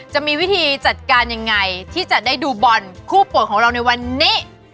จะมีวิธีจัดการยังไงที่จะได้ดูบอลคู่ป่วยของเราในวันนี้